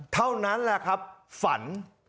เท่านั้นแหละครับฝัน